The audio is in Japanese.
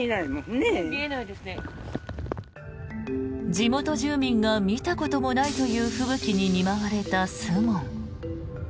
地元住民が見たこともないという吹雪に見舞われた守門。